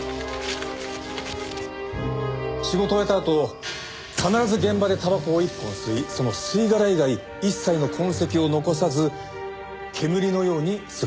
仕事を終えたあと必ず現場でたばこを１本吸いその吸い殻以外一切の痕跡を残さず煙のように姿を消す。